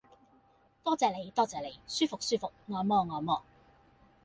多謝你多謝你，舒服舒服，按摩按摩